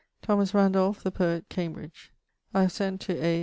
Thomas Randolph, the poet, Cambr.: I have sent to A.